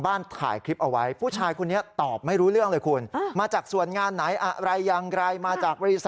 จับพี่เนี่ยจับมีจับประแกนสายหรือเปล่าเนี่ยเขาเลี้ยวแต่เนี่ย